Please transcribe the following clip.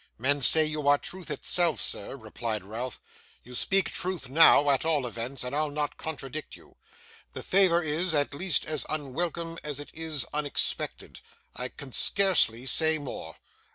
'Men say you are truth itself, sir,' replied Ralph. 'You speak truth now, at all events, and I'll not contradict you. The favour is, at least, as unwelcome as it is unexpected. I can scarcely say more.